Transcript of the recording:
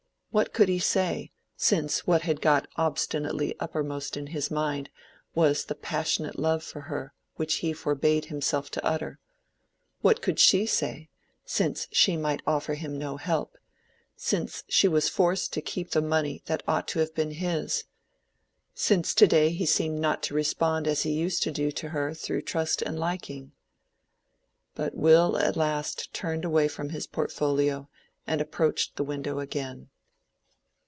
What could he say, since what had got obstinately uppermost in his mind was the passionate love for her which he forbade himself to utter? What could she say, since she might offer him no help—since she was forced to keep the money that ought to have been his?—since to day he seemed not to respond as he used to do to her thorough trust and liking? But Will at last turned away from his portfolio and approached the window again.